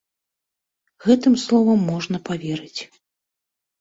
Гэтым словам можна паверыць.